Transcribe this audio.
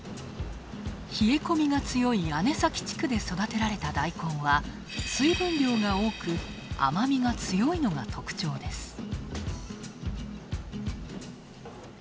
冷え込みが強い姉崎地区で育てられたダイコンは水分量が多く甘みが強いのが特徴です。